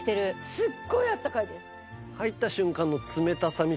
すっごいあったかいです。